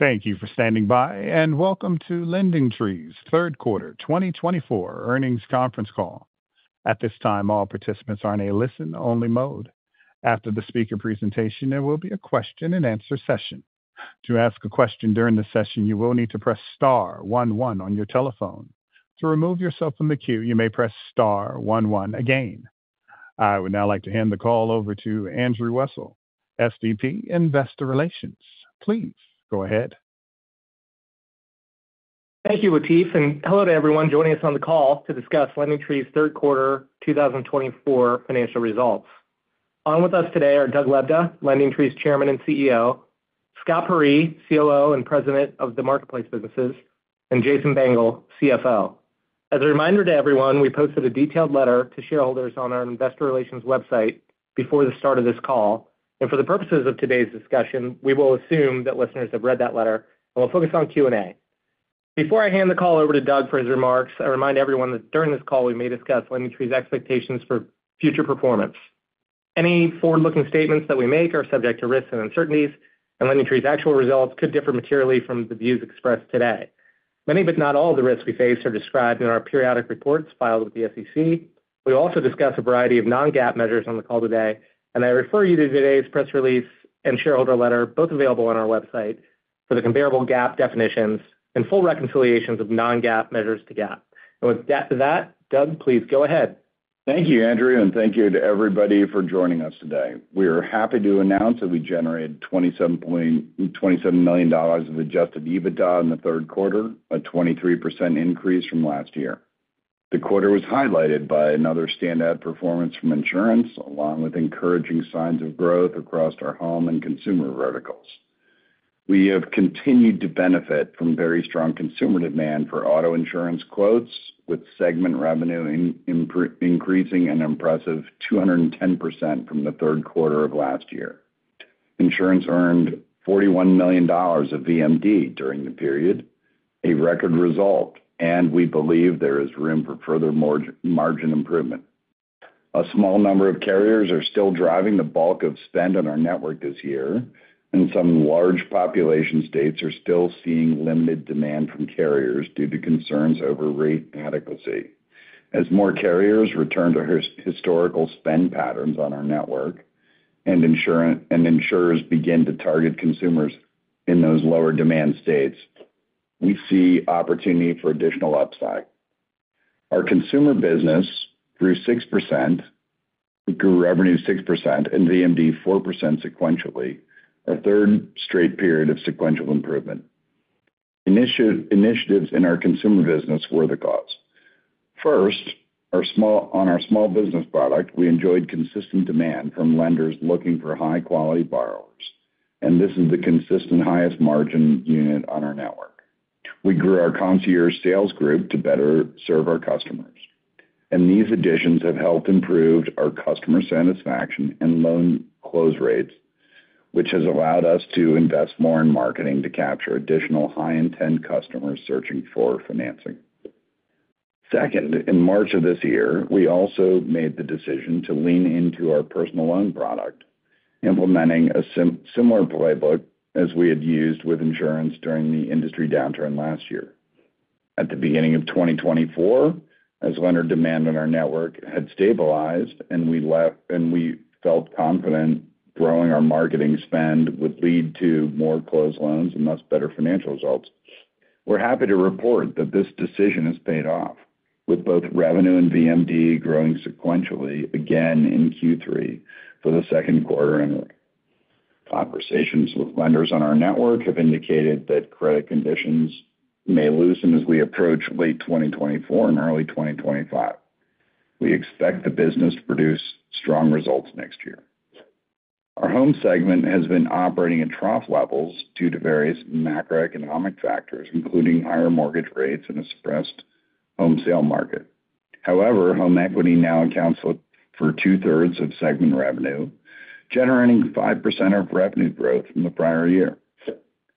Thank you for standing by, and welcome to LendingTree's Q3 2024 Earnings Conference Call. At this time, all participants are in a listen-only mode. After the speaker presentation, there will be a question-and-answer session. To ask a question during the session, you will need to press Star one one on your telephone. To remove yourself from the queue, you may press Star one one again. I would now like to hand the call over to Andrew Wessel, SVP Investor Relations. Please go ahead. Thank you, Latif, and hello to everyone joining us on the call to discuss LendingTree's Q3 2024 financial results. On with us today are Doug Lebda, LendingTree's Chairman and CEO, Scott Peyree, COO and President of the Marketplace businesses, and Jason Bengel, CFO. As a reminder to everyone, we posted a detailed letter to shareholders on our Investor Relations website before the start of this call. For the purposes of today's discussion, we will assume that listeners have read that letter, and we'll focus on Q&A. Before I hand the call over to Doug for his remarks, I remind everyone that during this call, we may discuss LendingTree's expectations for future performance. Any forward-looking statements that we make are subject to risks and uncertainties, and LendingTree's actual results could differ materially from the views expressed today. Many, but not all, of the risks we face are described in our periodic reports filed with the SEC. We also discuss a variety of non-GAAP measures on the call today, and I refer you to today's press release and shareholder letter, both available on our website, for the comparable GAAP definitions and full reconciliations of non-GAAP measures to GAAP, and with that, Doug, please go ahead. Thank you, Andrew, and thank you to everybody for joining us today. We are happy to announce that we generated $27 million of adjusted EBITDA in the Q3, a 23% increase from last year. The quarter was highlighted by another standout performance from insurance, along with encouraging signs of growth across our home and consumer verticals. We have continued to benefit from very strong consumer demand for auto insurance quotes, with segment revenue increasing an impressive 210% from the Q3 of last year. Insurance earned $41 million of VMD during the period, a record result, and we believe there is room for further margin improvement. A small number of carriers are still driving the bulk of spend on our network this year, and some large population states are still seeing limited demand from carriers due to concerns over rate adequacy. As more carriers return to historical spend patterns on our network and insurers begin to target consumers in those lower-demand states, we see opportunity for additional upside. Our consumer business grew 6%, revenue 6%, and VMD 4% sequentially, our third straight period of sequential improvement. Initiatives in our consumer business were the cause. First, on our small business product, we enjoyed consistent demand from lenders looking for high-quality borrowers, and this is the consistent highest margin unit on our network. We grew our concierge sales group to better serve our customers, and these additions have helped improve our customer satisfaction and loan close rates, which has allowed us to invest more in marketing to capture additional high-intent customers searching for financing. Second, in March of this year, we also made the decision to lean into our personal loan product, implementing a similar playbook as we had used with insurance during the industry downturn last year. At the beginning of 2024, as lender demand on our network had stabilized and we felt confident growing our marketing spend would lead to more close loans and thus better financial results, we're happy to report that this decision has paid off, with both revenue and VMD growing sequentially again in Q3 for the Q2 entry. Conversations with lenders on our network have indicated that credit conditions may loosen as we approach late 2024 and early 2025. We expect the business to produce strong results next year. Our home segment has been operating at trough levels due to various macroeconomic factors, including higher mortgage rates and a suppressed home sale market. However, home equity now accounts for two-thirds of segment revenue, generating 5% of revenue growth from the prior year.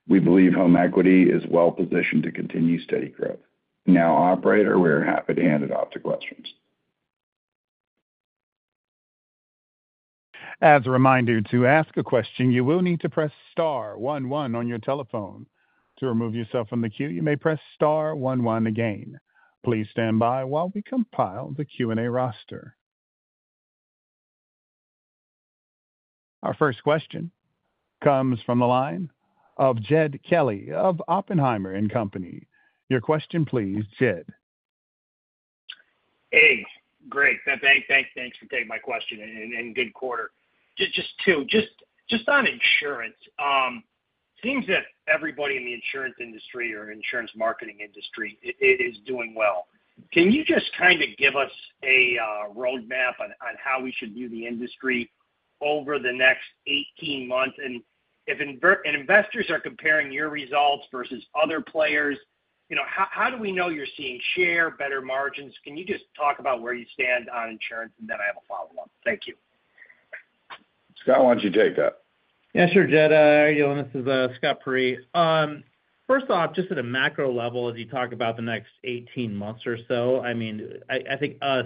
We believe home equity is well-positioned to continue steady growth. Now, operator, we're happy to hand it off to questions. As a reminder, to ask a question, you will need to press Star one one on your telephone. To remove yourself from the queue, you may press Star one one again. Please stand by while we compile the Q&A roster. Our first question comes from the line of Jed Kelly of Oppenheimer & Company. Your question, please, Jed. Hey, great. Thanks for taking my question. It's a good quarter. Just two. Just on insurance, it seems that everybody in the insurance industry or insurance marketing industry is doing well. Can you just kind of give us a roadmap on how we should view the industry over the next 18 months? And if investors are comparing your results versus other players, how do we know you're seeing share, better margins? Can you just talk about where you stand on insurance? And then I have a follow-up. Thank you. Scott, why don't you take that? Yeah, sure, Jed. How are you doing? This is Scott Peyree. First off, just at a macro level, as you talk about the next 18 months or so, I mean, I think us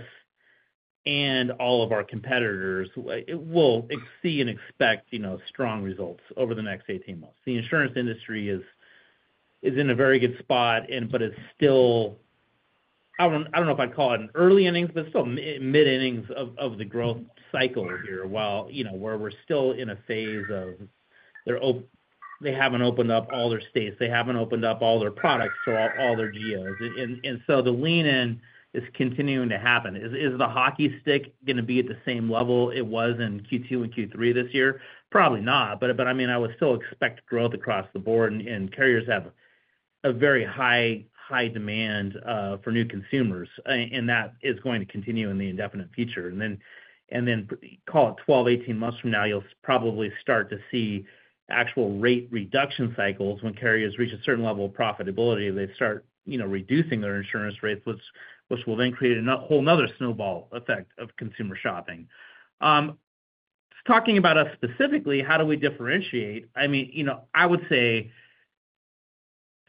and all of our competitors will see and expect strong results over the next 18 months. The insurance industry is in a very good spot, but it's still, I don't know if I'd call it an early innings, but it's still mid-innings of the growth cycle here, where we're still in a phase of they haven't opened up all their states. They haven't opened up all their products to all their GOs. And so the lean-in is continuing to happen. Is the hockey stick going to be at the same level it was in Q2 and Q3 this year? Probably not. I mean, I would still expect growth across the board, and carriers have a very high demand for new consumers, and that is going to continue in the indefinite future. Then call it 12-18 months from now, you'll probably start to see actual rate reduction cycles. When carriers reach a certain level of profitability, they start reducing their insurance rates, which will then create a whole nother snowball effect of consumer shopping. Talking about us specifically, how do we differentiate? I mean, I would say,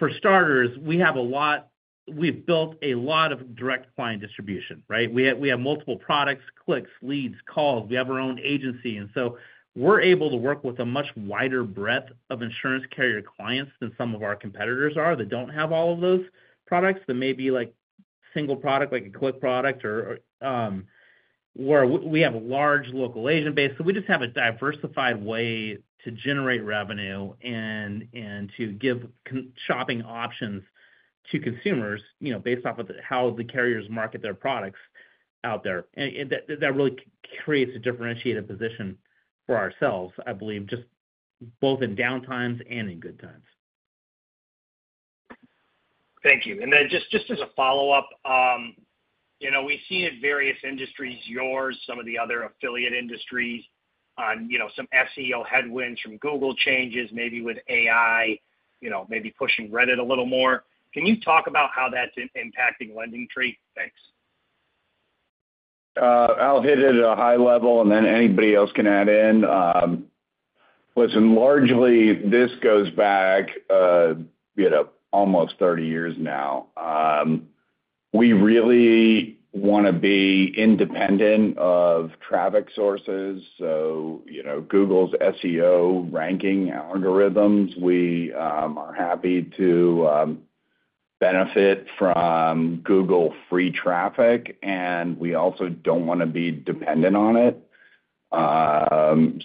for starters, we have a lot. We've built a lot of direct client distribution, right? We have multiple products, clicks, leads, calls. We have our own agency. So we're able to work with a much wider breadth of insurance carrier clients than some of our competitors are. They don't have all of those products. They may be like single product, like a click product, where we have a large local agent base, so we just have a diversified way to generate revenue and to give shopping options to consumers based off of how the carriers market their products out there, and that really creates a differentiated position for ourselves, I believe, just both in downtimes and in good times. Thank you. And then just as a follow-up, we see in various industries, yours, some of the other affiliate industries, some SEO headwinds from Google changes, maybe with AI, maybe pushing Reddit a little more. Can you talk about how that's impacting LendingTree? Thanks. I'll hit it at a high level, and then anybody else can add in. Listen, largely, this goes back almost 30 years now. We really want to be independent of traffic sources. So Google's SEO ranking algorithms, we are happy to benefit from Google free traffic, and we also don't want to be dependent on it.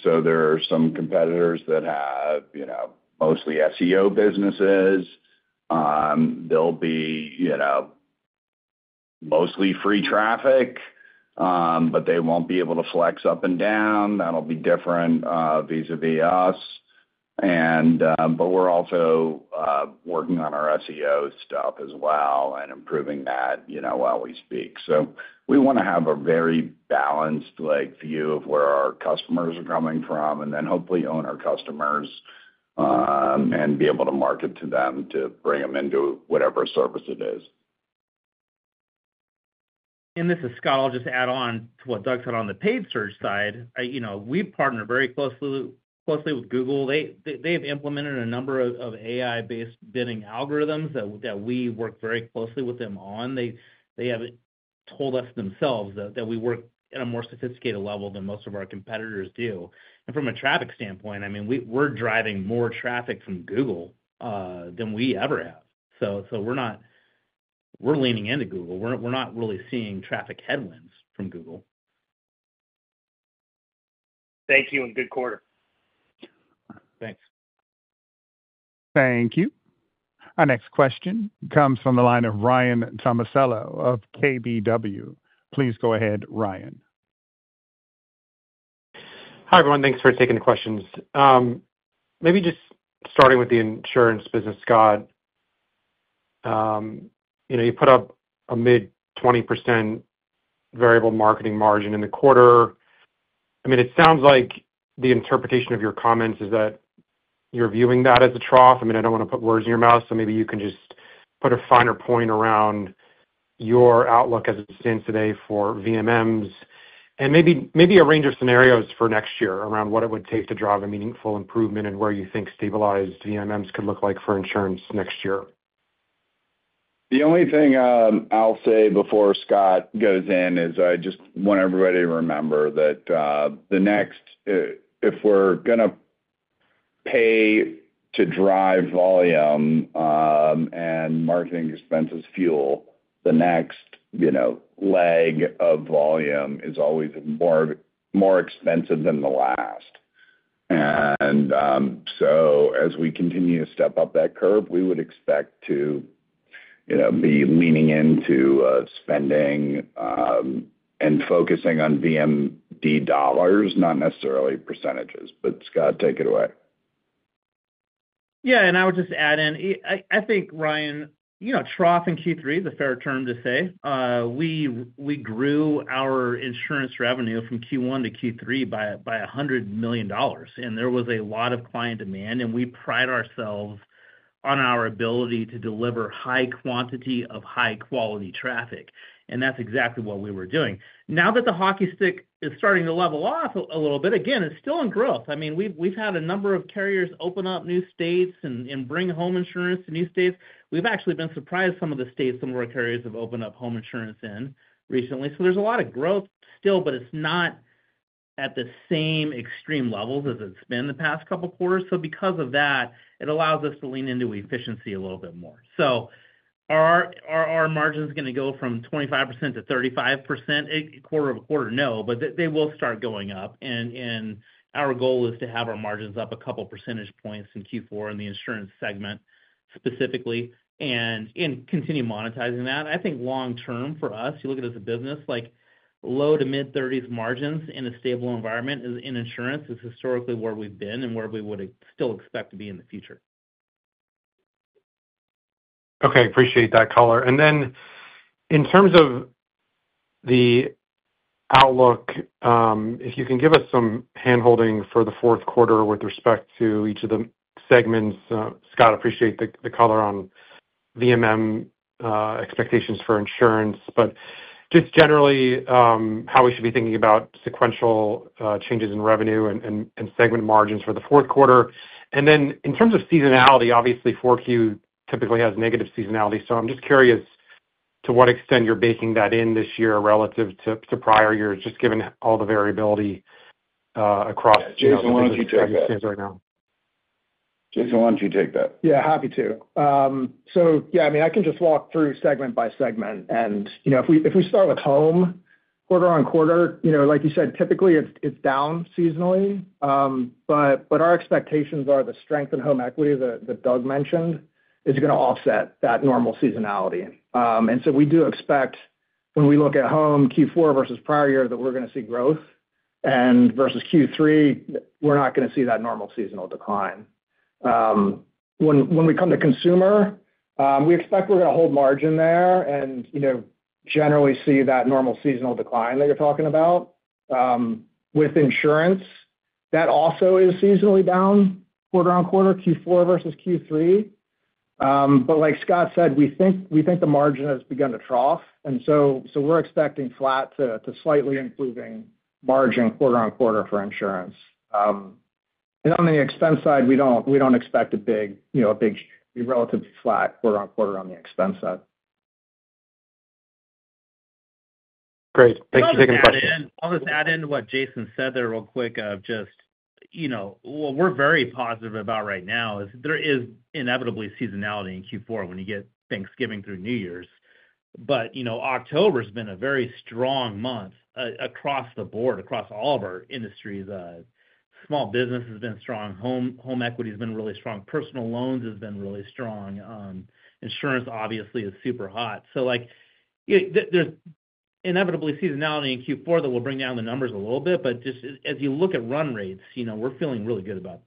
So there are some competitors that have mostly SEO businesses. They'll be mostly free traffic, but they won't be able to flex up and down. That'll be different vis-à-vis us. But we're also working on our SEO stuff as well and improving that while we speak. So we want to have a very balanced view of where our customers are coming from and then hopefully own our customers and be able to market to them to bring them into whatever service it is. This is Scott. I'll just add on to what Doug said on the paid search side. We partner very closely with Google. They've implemented a number of AI-based bidding algorithms that we work very closely with them on. They have told us themselves that we work at a more sophisticated level than most of our competitors do. From a traffic standpoint, I mean, we're driving more traffic from Google than we ever have. We're leaning into Google. We're not really seeing traffic headwinds from Google. Thank you. And good quarter. Thanks. Thank you. Our next question comes from the line of Ryan Tomasello of KBW. Please go ahead, Ryan. Hi, everyone. Thanks for taking the questions. Maybe just starting with the insurance business, Scott, you put up a mid-20% variable marketing margin in the quarter. I mean, it sounds like the interpretation of your comments is that you're viewing that as a trough. I mean, I don't want to put words in your mouth, so maybe you can just put a finer point around your outlook as it stands today for VMMs and maybe a range of scenarios for next year around what it would take to drive a meaningful improvement and where you think stabilized VMMs could look like for insurance next year. The only thing I'll say before Scott goes in is I just want everybody to remember that if we're going to pay to drive volume and marketing expenses fuel, the next leg of volume is always more expensive than the last. And so as we continue to step up that curve, we would expect to be leaning into spending and focusing on VMD dollars, not necessarily percentages. But Scott, take it away. Yeah. And I would just add in, I think, Ryan, trough in Q3 is a fair term to say. We grew our insurance revenue from Q1 to Q3 by $100 million, and there was a lot of client demand, and we pride ourselves on our ability to deliver high quantity of high-quality traffic. And that's exactly what we were doing. Now that the hockey stick is starting to level off a little bit, again, it's still in growth. I mean, we've had a number of carriers open up new states and bring home insurance to new states. We've actually been surprised some of the states some of our carriers have opened up home insurance in recently. So there's a lot of growth still, but it's not at the same extreme levels as it's been the past couple of quarters. Because of that, it allows us to lean into efficiency a little bit more. Are our margins going to go from 25%-35% quarter-over-quarter? No, but they will start going up. Our goal is to have our margins up a couple of percentage points in Q4 in the insurance segment specifically and continue monetizing that. I think long-term for us, you look at it as a business, like low- to mid-30s% margins in a stable environment in insurance is historically where we've been and where we would still expect to be in the future. Okay. Appreciate that color. And then in terms of the outlook, if you can give us some handholding for the Q4 with respect to each of the segments. Scott appreciates the color on VMM expectations for insurance, but just generally how we should be thinking about sequential changes in revenue and segment margins for the Q4. And then in terms of seasonality, obviously, 4Q typically has negative seasonality. So I'm just curious to what extent you're baking that in this year relative to prior years, just given all the variability across the space right now. Jason, why don't you take that? Yeah, happy to. So yeah, I mean, I can just walk through segment by segment. And if we start with home, quarter-on-quarter, like you said, typically it's down seasonally. But our expectations are the strength in home equity that Doug mentioned is going to offset that normal seasonality. And so we do expect when we look at home Q4 versus prior year that we're going to see growth. And versus Q3, we're not going to see that normal seasonal decline. When we come to consumer, we expect we're going to hold margin there and generally see that normal seasonal decline that you're talking about. With insurance, that also is seasonally down quarter-on-quarter, Q4 versus Q3. But like Scott said, we think the margin has begun to trough. And so we're expecting flat to slightly improving margin quarter-on-quarter for insurance. On the expense side, we don't expect a big relative flat quarter-on-quarter on the expense side. Great. Thanks for taking the question. I'll just add in what Jason said there real quick of just what we're very positive about right now is there is inevitably seasonality in Q4 when you get Thanksgiving through New Year's. But October has been a very strong month across the board, across all of our industries. Small business has been strong. Home equity has been really strong. Personal loans have been really strong. Insurance, obviously, is super hot. So there's inevitably seasonality in Q4 that will bring down the numbers a little bit. But just as you look at run rates, we're feeling really good about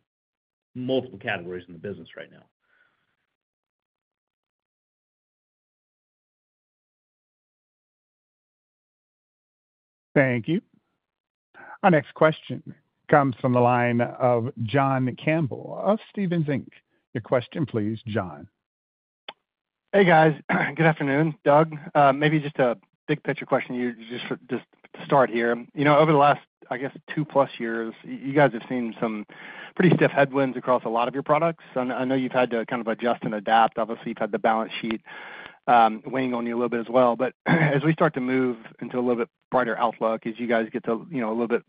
multiple categories in the business right now. Thank you. Our next question comes from the line of John Campbell of Stephens Inc. Your question, please, John. Hey, guys. Good afternoon, Doug. Maybe just a big picture question just to start here. Over the last, I guess, two-plus years, you guys have seen some pretty stiff headwinds across a lot of your products. I know you've had to kind of adjust and adapt. Obviously, you've had the balance sheet weighing on you a little bit as well. But as we start to move into a little bit brighter outlook, as you guys get to a little bit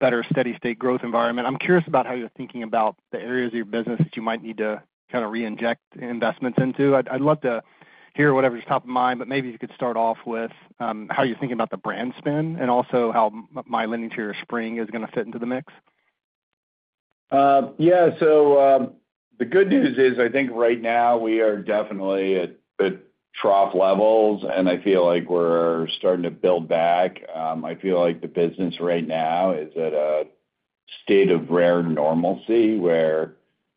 better steady-state growth environment, I'm curious about how you're thinking about the areas of your business that you might need to kind of reinject investments into. I'd love to hear whatever's top of mind, but maybe if you could start off with how you're thinking about the brand spin and also how My LendingTree Spring is going to fit into the mix. Yeah. So the good news is I think right now we are definitely at trough levels, and I feel like we're starting to build back. I feel like the business right now is at a state of rare normalcy where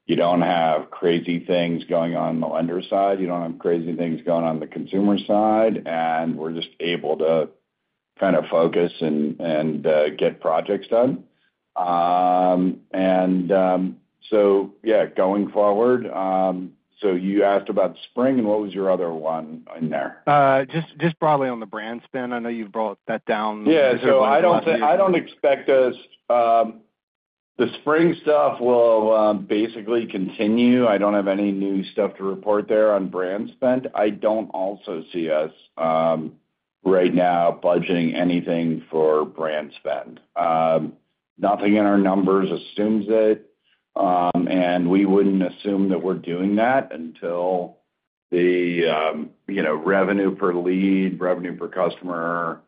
you don't have crazy things going on the lender side. You don't have crazy things going on the consumer side, and we're just able to kind of focus and get projects done. And so yeah, going forward. So you asked about Spring, and what was your other one in there? Just broadly on the brand spend. I know you've brought that down. Yeah. So I don't expect the Spring stuff will basically continue. I don't have any new stuff to report there on brand spend. I don't also see us right now budging anything for brand spend. Nothing in our numbers assumes it, and we wouldn't assume that we're doing that until the revenue per lead, revenue per customer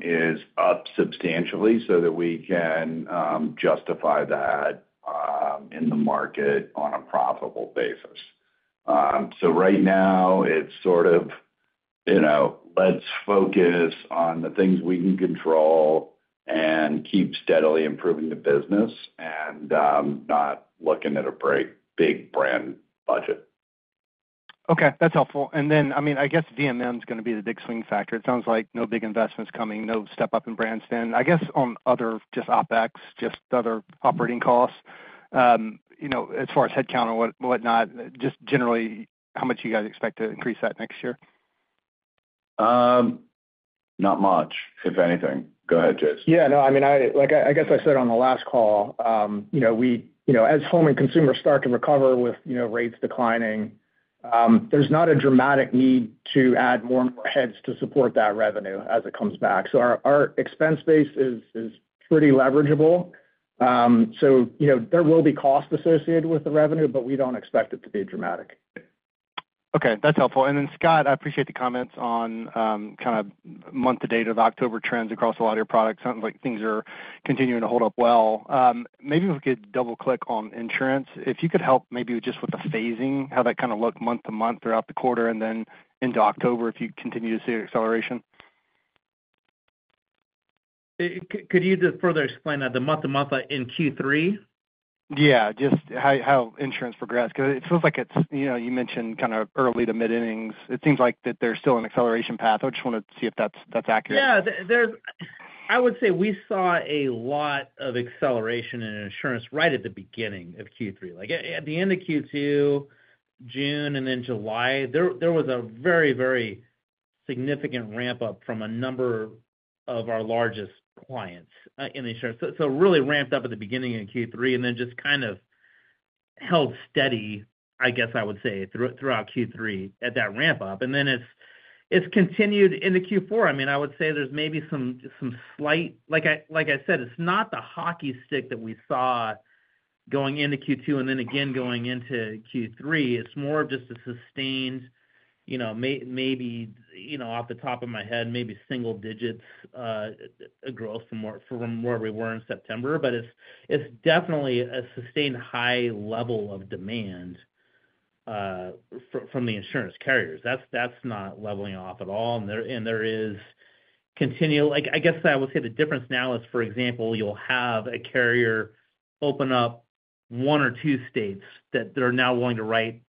is up substantially so that we can justify that in the market on a profitable basis. So right now, it's sort of let's focus on the things we can control and keep steadily improving the business and not looking at a big brand budget. Okay. That's helpful. And then, I mean, I guess VMM is going to be the big swing factor. It sounds like no big investments coming, no step-up in brand spend. I guess on other just OpEx, just other operating costs, as far as headcount and whatnot, just generally how much you guys expect to increase that next year? Not much, if anything. Go ahead, Jason. Yeah. No, I mean, I guess I said on the last call, as home and consumer start to recover with rates declining, there's not a dramatic need to add more and more heads to support that revenue as it comes back. So our expense base is pretty leverageable. So there will be costs associated with the revenue, but we don't expect it to be dramatic. Okay. That's helpful. And then, Scott, I appreciate the comments on kind of month-to-date of October trends across a lot of your products. Sounds like things are continuing to hold up well. Maybe if we could double-click on insurance, if you could help maybe just with the phasing, how that kind of looked month to month throughout the quarter and then into October if you continue to see acceleration. Could you just further explain that the month to month in Q3? Yeah. Just how insurance progressed. Because it feels like you mentioned kind of early to mid-earnings. It seems like that they're still in an acceleration path. I just want to see if that's accurate. Yeah. I would say we saw a lot of acceleration in insurance right at the beginning of Q3. At the end of Q2, June, and then July, there was a very, very significant ramp-up from a number of our largest clients in insurance. So really ramped up at the beginning of Q3 and then just kind of held steady, I guess I would say, throughout Q3 at that ramp-up. And then it's continued into Q4. I mean, I would say there's maybe some slight, like I said, it's not the hockey stick that we saw going into Q2 and then again going into Q3. It's more of just a sustained, maybe off the top of my head, maybe single digits growth from where we were in September. But it's definitely a sustained high level of demand from the insurance carriers. That's not leveling off at all. And there is continual. I guess I would say the difference now is, for example, you'll have a carrier open up one or two states that they're now willing to write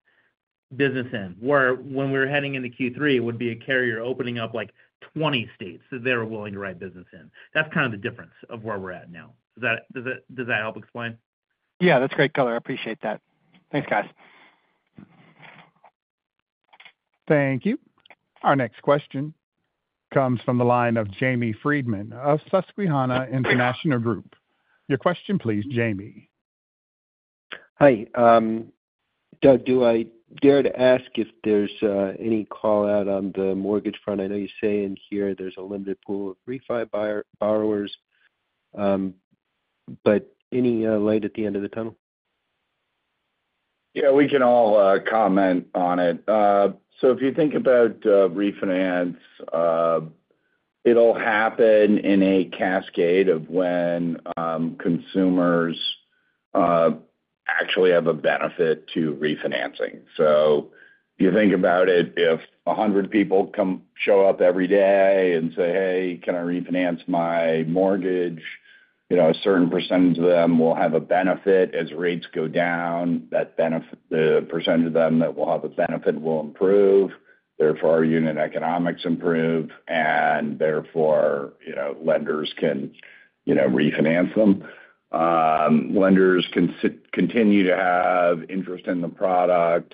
business in, where when we were heading into Q3, it would be a carrier opening up like 20 states that they were willing to write business in. That's kind of the difference of where we're at now. Does that help explain? Yeah. That's great, Kelly. I appreciate that. Thanks, guys. Thank you. Our next question comes from the line of Jamie Friedman of Susquehanna International Group. Your question, please, Jamie. Hi, Doug. Do I dare to ask if there's any call out on the mortgage front? I know you say in here there's a limited pool of refinance borrowers, but any light at the end of the tunnel? Yeah. We can all comment on it. So if you think about refinance, it'll happen in a cascade of when consumers actually have a benefit to refinancing. So you think about it, if 100 people show up every day and say, "Hey, can I refinance my mortgage?" A certain percentage of them will have a benefit. As rates go down, the percentage of them that will have a benefit will improve. Therefore, our unit economics improve, and therefore, lenders can refinance them. Lenders can continue to have interest in the product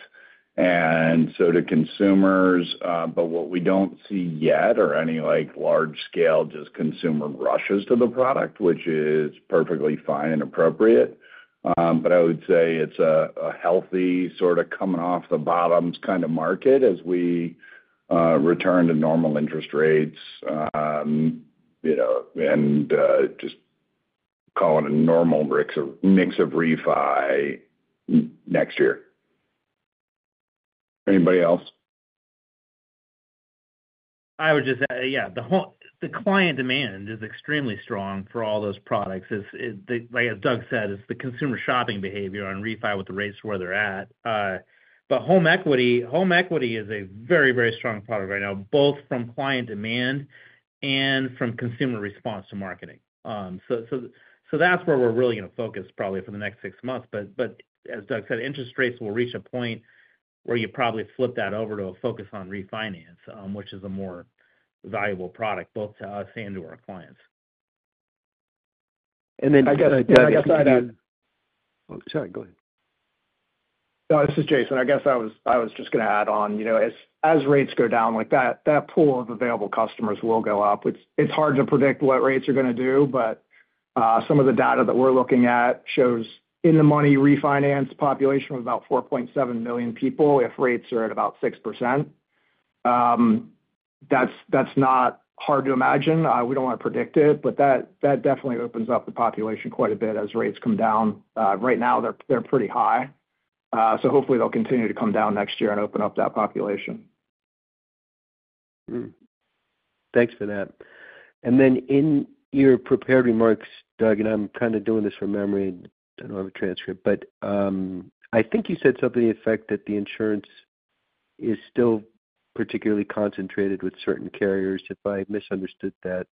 and so do consumers. But what we don't see yet are any large-scale just consumer rushes to the product, which is perfectly fine and appropriate. But I would say it's a healthy sort of coming off the bottoms kind of market as we return to normal interest rates and just call it a normal mix of refi next year. Anybody else? I would just add, yeah, the client demand is extremely strong for all those products. Like Doug said, it's the consumer shopping behavior on refi with the rates where they're at. But home equity is a very, very strong product right now, both from client demand and from consumer response to marketing. So that's where we're really going to focus probably for the next six months. But as Doug said, interest rates will reach a point where you probably flip that over to a focus on refinance, which is a more valuable product both to us and to our clients. And then I guess I'd add. Oh, sorry. Go ahead. No, this is Jason. I guess I was just going to add on, as rates go down, that pool of available customers will go up. It's hard to predict what rates are going to do, but some of the data that we're looking at shows in-the-money refinance population of about 4.7 million people if rates are at about 6%. That's not hard to imagine. We don't want to predict it, but that definitely opens up the population quite a bit as rates come down. Right now, they're pretty high. So hopefully, they'll continue to come down next year and open up that population. Thanks for that. And then in your prepared remarks, Doug, and I'm kind of doing this from memory. I don't have a transcript, but I think you said something to the effect that the insurance is still particularly concentrated with certain carriers. If I misunderstood that,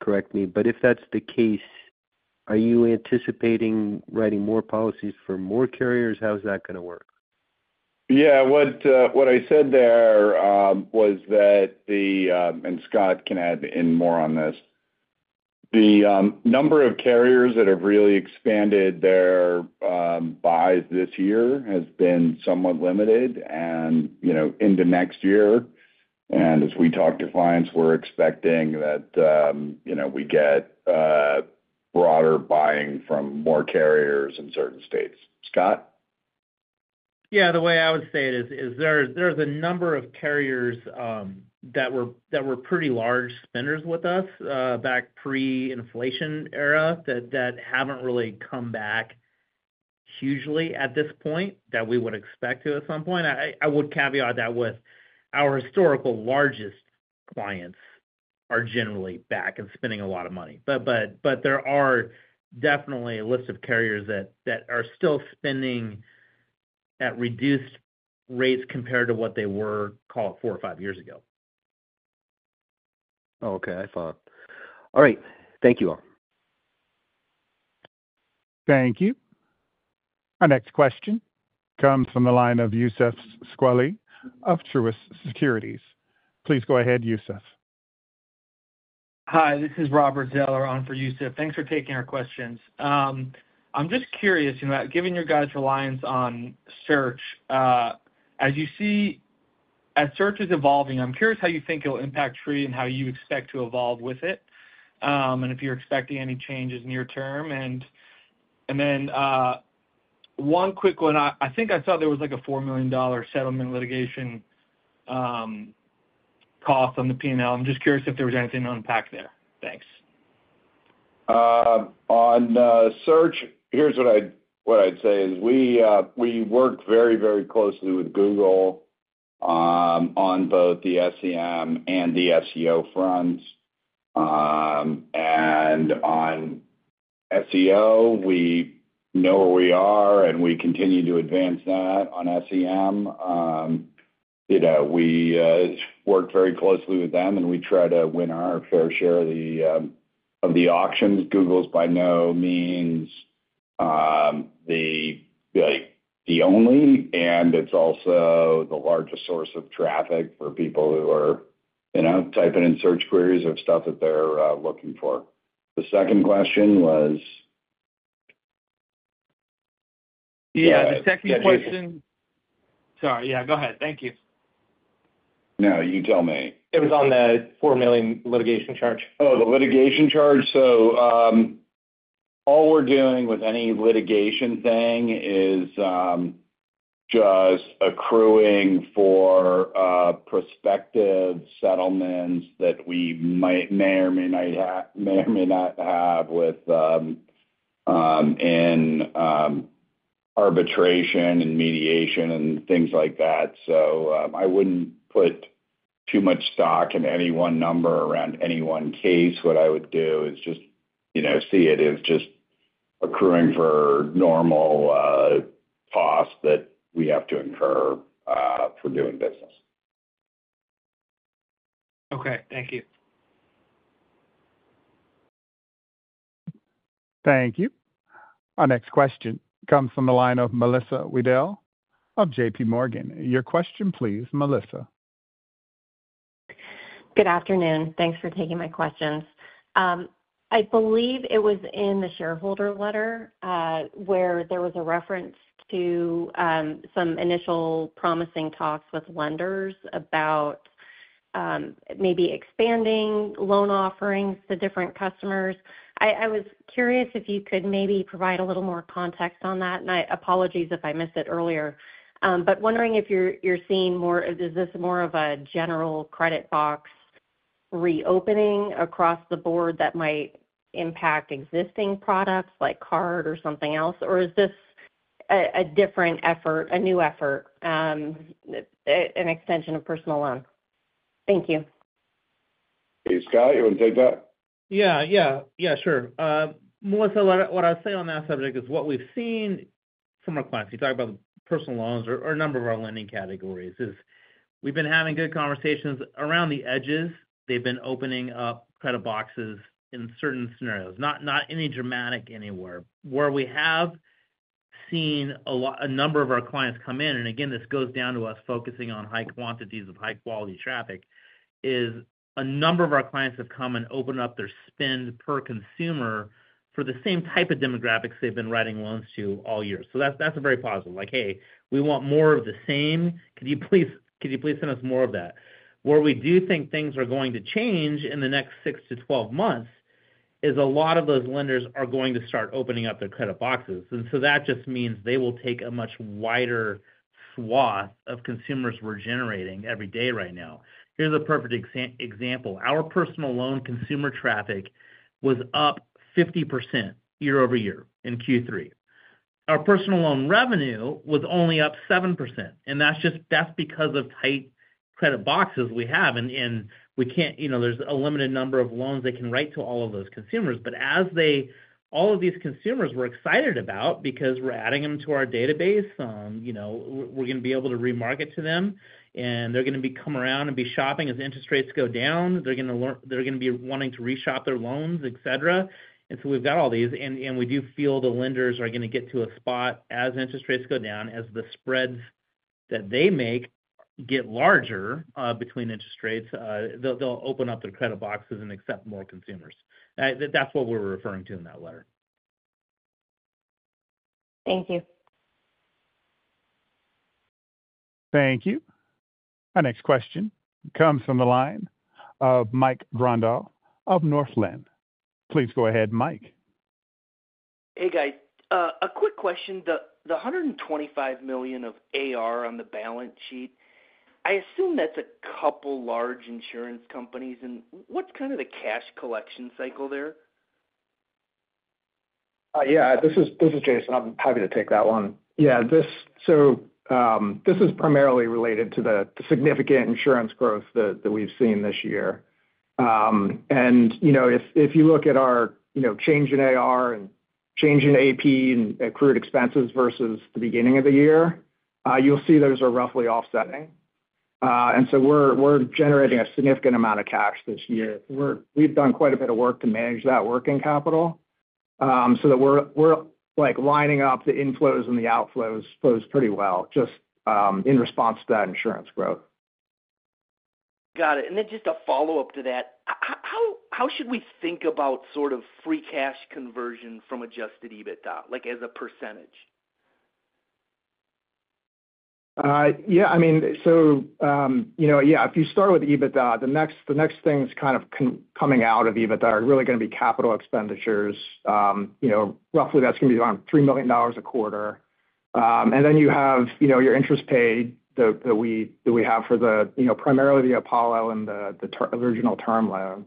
correct me. But if that's the case, are you anticipating writing more policies for more carriers? How is that going to work? Yeah. What I said there was that the (and Scott can add in more on this) number of carriers that have really expanded their buys this year has been somewhat limited into next year. And as we talk to clients, we're expecting that we get broader buying from more carriers in certain states. Scott? Yeah. The way I would say it is there's a number of carriers that were pretty large spenders with us back pre-inflation era that haven't really come back hugely at this point that we would expect to at some point. I would caveat that with our historical largest clients are generally back and spending a lot of money. But there are definitely a list of carriers that are still spending at reduced rates compared to what they were, call it, four or five years ago. Okay. I follow. All right. Thank you all. Thank you. Our next question comes from the line of Youssef Squali of Truist Securities. Please go ahead, Youssef. Hi. This is Robert Zeller, on for Youssef Squali. Thanks for taking our questions. I'm just curious, given your guys' reliance on search, as you see as search is evolving. I'm curious how you think it'll impact Tree and how you expect to evolve with it and if you're expecting any changes near term, and then one quick one. I think I saw there was like a $4 million settlement litigation cost on the P&L. I'm just curious if there was anything to unpack there. Thanks. On search, here's what I'd say is we work very, very closely with Google on both the SEM and the SEO front. And on SEO, we know where we are, and we continue to advance that on SEM. We work very closely with them, and we try to win our fair share of the auctions. Google is by no means the only, and it's also the largest source of traffic for people who are typing in search queries of stuff that they're looking for. The second question was. Yeah. The second question. Sorry. Yeah. Go ahead. Thank you. No. You tell me. It was on the $4 million litigation charge. Oh, the litigation charge. So all we're doing with any litigation thing is just accruing for prospective settlements that we may or may not have within arbitration and mediation and things like that. So I wouldn't put too much stock in any one number around any one case. What I would do is just see it as just accruing for normal costs that we have to incur for doing business. Okay. Thank you. Thank you. Our next question comes from the line of Melissa Wedel of J.P. Morgan. Your question, please, Melissa. Good afternoon. Thanks for taking my questions. I believe it was in the shareholder letter where there was a reference to some initial promising talks with lenders about maybe expanding loan offerings to different customers. I was curious if you could maybe provide a little more context on that, and apologies if I missed it earlier, but wondering if you're seeing more, is this more of a general credit box reopening across the board that might impact existing products like card or something else? Or is this a different effort, a new effort, an extension of personal loan? Thank you. Hey, Scott, you want to take that? Yeah. Yeah. Yeah. Sure. Melissa, what I'll say on that subject is what we've seen from our clients. You talk about the personal loans or a number of our lending categories, is we've been having good conversations around the edges. They've been opening up credit boxes in certain scenarios, not any dramatic anywhere. Where we have seen a number of our clients come in, and again, this goes down to us focusing on high quantities of high-quality traffic, is a number of our clients have come and opened up their spend per consumer for the same type of demographics they've been writing loans to all year. So that's a very positive. Like, "Hey, we want more of the same. Could you please send us more of that?" Where we do think things are going to change in the next six to 12 months is a lot of those lenders are going to start opening up their credit boxes. And so that just means they will take a much wider swath of consumers we're generating every day right now. Here's a perfect example. Our personal loan consumer traffic was up 50% year over year in Q3. Our personal loan revenue was only up 7%. And that's just because of tight credit boxes we have. And there's a limited number of loans they can write to all of those consumers. But all of these consumers were excited about because we're adding them to our database. We're going to be able to remarket to them, and they're going to be coming around and be shopping as interest rates go down. They're going to be wanting to reshop their loans, etc., and so we've got all these, and we do feel the lenders are going to get to a spot as interest rates go down, as the spreads that they make get larger between interest rates, they'll open up their credit boxes and accept more consumers. That's what we were referring to in that letter. Thank you. Thank you. Our next question comes from the line of Mike Grondahl of Northland. Please go ahead, Mike. Hey, guys. A quick question. The $125 million of AR on the balance sheet, I assume that's a couple large insurance companies. And what's kind of the cash collection cycle there? Yeah. This is Jason. I'm happy to take that one. Yeah. So this is primarily related to the significant insurance growth that we've seen this year. And if you look at our change in AR and change in AP and accrued expenses versus the beginning of the year, you'll see those are roughly offsetting. And so we're generating a significant amount of cash this year. We've done quite a bit of work to manage that working capital so that we're lining up the inflows and the outflows pretty well just in response to that insurance growth. Got it. And then just a follow-up to that, how should we think about sort of free cash conversion from Adjusted EBITDA as a percentage? Yeah. I mean, so yeah, if you start with EBITDA, the next thing that's kind of coming out of EBITDA are really going to be capital expenditures. Roughly, that's going to be around $3 million a quarter. And then you have your interest paid that we have for primarily the Apollo and the original term loan.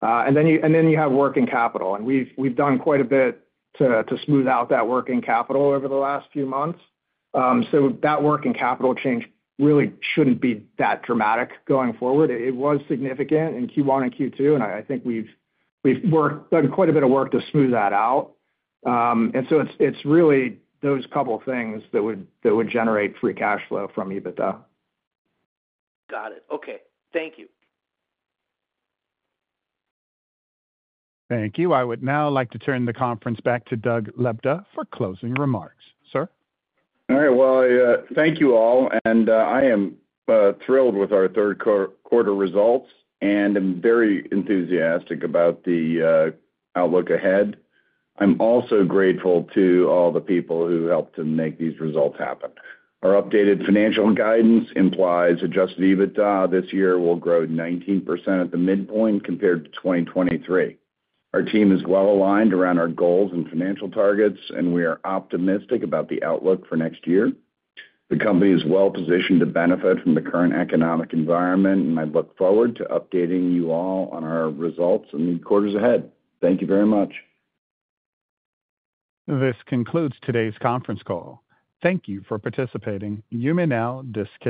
And then you have working capital. And we've done quite a bit to smooth out that working capital over the last few months. So that working capital change really shouldn't be that dramatic going forward. It was significant in Q1 and Q2, and I think we've done quite a bit of work to smooth that out. And so it's really those couple of things that would generate free cash flow from EBITDA. Got it. Okay. Thank you. Thank you. I would now like to turn the conference back to Doug Lebda for closing remarks. Sir? All right. Well, thank you all. And I am thrilled with our Q3 results and am very enthusiastic about the outlook ahead. I'm also grateful to all the people who helped to make these results happen. Our updated financial guidance implies Adjusted EBITDA this year will grow 19% at the midpoint compared to 2023. Our team is well aligned around our goals and financial targets, and we are optimistic about the outlook for next year. The company is well positioned to benefit from the current economic environment, and I look forward to updating you all on our results in the quarters ahead. Thank you very much. This concludes today's conference call. Thank you for participating. You may now disconnect.